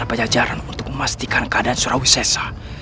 aku punya banyak jajaran untuk memastikan keadaan surawi sesa